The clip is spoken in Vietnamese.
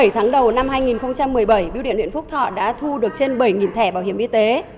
bảy tháng đầu năm hai nghìn một mươi bảy biêu điện huyện phúc thọ đã thu được trên bảy thẻ bảo hiểm y tế